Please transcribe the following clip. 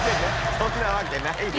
そんなわけないでしょ。